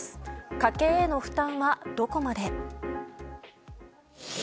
家計への負担はどこまで？